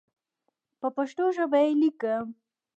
په پښتو ژبه یې لیکم.